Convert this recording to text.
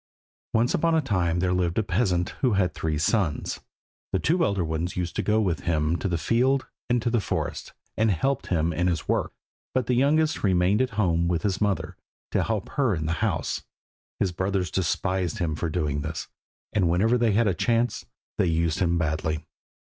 Once upon a time there lived a peasant who had three sons. The two elder ones used to go with him to the field and to the forest, and helped him in his work, but the youngest remained at home with his mother, to help her in the house. His brothers despised him for doing this, and whenever they had a chance they used him badly.